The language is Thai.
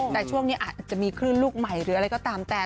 แต่ช่วงนี้อาจจะมีคลื่นลูกใหม่หรืออะไรก็ตามแต่